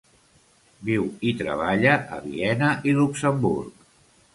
Viu i treballa a Viena i Luxemburg.